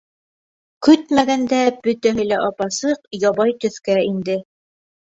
Көтмәгәндә бөтәһе лә ап-асыҡ, ябай төҫкә инде.